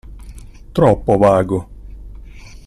Troppo vago!